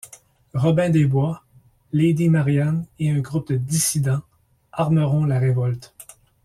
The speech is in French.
Robin des Bois, Lady Mariane et un groupe de dissidents, armeront la révolte.